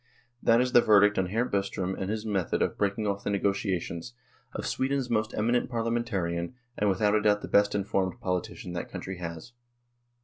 That is the verdict on Hr. Bostrom and his method of breaking off the negotiations, of Sweden's most 80 NORWAY AND THE UNION WITH SWEDEN eminent parliamentarian, and without doubt the best informed politician that country has.